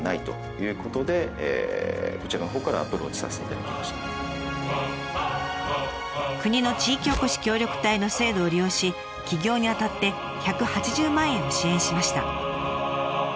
生業として国の地域おこし協力隊の制度を利用し起業にあたって１８０万円を支援しました。